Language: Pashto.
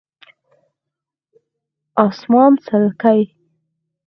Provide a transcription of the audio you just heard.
🦇 اسمان څلکي